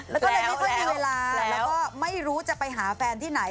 แล้วก็เลยไม่ค่อยมีเวลาแล้วก็ไม่รู้จะไปหาแฟนที่ไหน